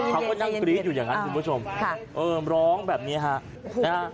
เขาก็นั่งกรีดอยู่อย่างนั้นคุณผู้ชมร้องแบบนี้ค่ะ